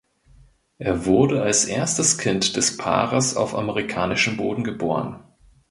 Er wurde als erstes Kind des Paares auf amerikanischen Boden geboren.